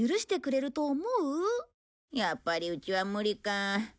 やっぱりうちは無理か。